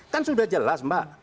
kan sudah jelas mbak